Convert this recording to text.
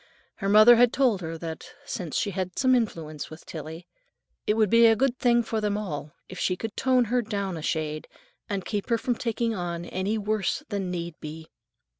Her mother had told her that, since she had some influence with Tillie, it would be a good thing for them all if she could tone her down a shade and "keep her from taking on any worse than need be."